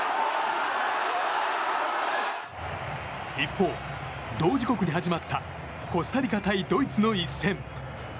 一方、同時刻に始まったコスタリカ対ドイツの一戦。